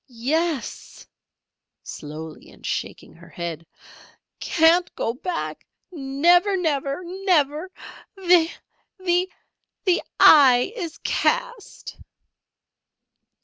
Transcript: "Yes!" (slowly and shaking her head). "Can't go back again. Never! Never! Never! The the eye is cast!"